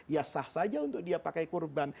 ya sah saja untuk dia pakai kurban